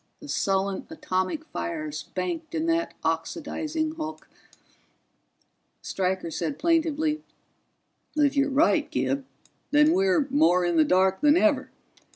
The sullen atomic fires banked in that oxidizing hulk Stryker said plaintively, "If you're right, Gib, then we're more in the dark than ever.